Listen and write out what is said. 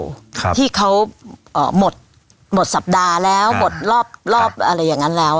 ครับที่เขาเอ่อหมดหมดสัปดาห์แล้วหมดรอบรอบอะไรอย่างงั้นแล้ว